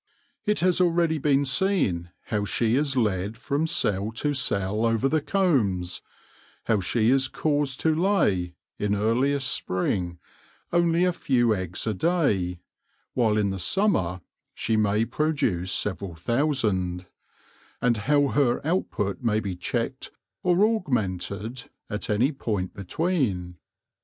It has already been seen how she is led from cell to cell over the combs ; how she is caused to lay, in earliest spring, only a few eggs a day, while in the summer she may produce several thousand ; and how her output may be checked or augmented at any point between.